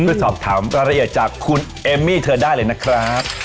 เพื่อสอบถามรายละเอียดจากคุณเอมมี่เธอได้เลยนะครับ